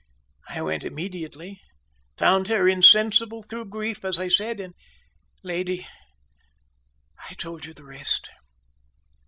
I went immediately, found her insensible through grief, as I said and, lady, I told you the rest."